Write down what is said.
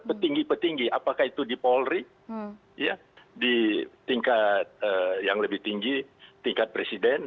petinggi petinggi apakah itu di polri ya di tingkat yang lebih tinggi tingkat presiden